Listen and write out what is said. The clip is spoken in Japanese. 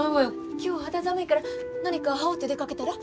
今日肌寒いから何か羽織って出かけたら。